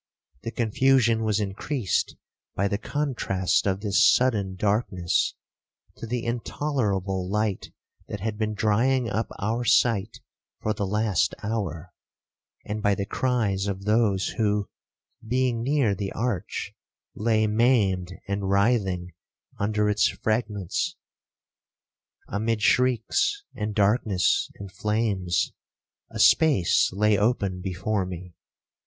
The confusion was increased by the contrast of this sudden darkness, to the intolerable light that had been drying up our sight for the last hour, and by the cries of those who, being near the arch, lay maimed and writhing under its fragments. Amid shrieks, and darkness, and flames, a space lay open before me.